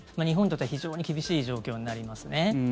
日本にとっては非常に厳しい状況になりますね。